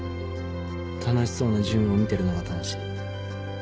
楽しそうな純を見てるのが楽しい。